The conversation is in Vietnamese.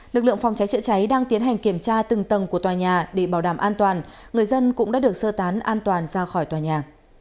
lực lượng phòng cháy chữa cháy đang tiến hành kiểm tra từng tầng của tòa nhà để bảo đảm an toàn người dân cũng đã được sơ tán an toàn ra khỏi tòa nhà